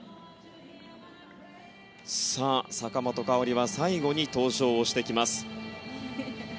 坂本花織は最後に登場してきます。